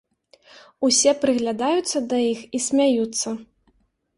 Усе прыглядаюцца да іх і смяюцца.